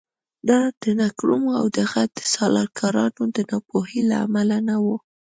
دا د نکرومه او د هغه د سلاکارانو د ناپوهۍ له امله نه و.